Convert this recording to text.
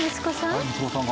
息子さん？